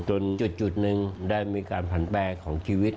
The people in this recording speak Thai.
จุดหนึ่งได้มีการผันแปลของชีวิต